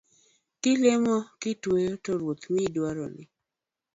Kilemo kitweyo to Ruoth miyi dwaroni